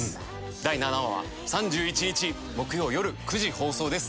第７話は３１日木曜よる９時放送です。